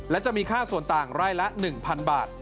และจะมีค่าส่วนต่างไร่ละ๑๐๐๐บาท